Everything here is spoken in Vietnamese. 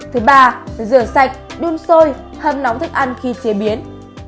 thứ ba rửa sạch đun sôi hâm nóng thức ăn khi chế biến